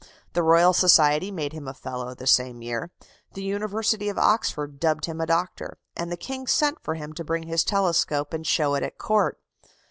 The Royal Society made him a Fellow the same year. The University of Oxford dubbed him a doctor; and the King sent for him to bring his telescope and show it at Court.